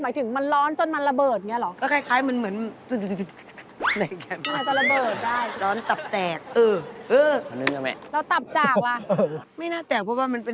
หมายถึงมันร้อนจนมันระเบิดอย่างนี้เหรอ